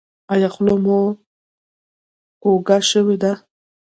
ایا خوله مو کوږه شوې ده؟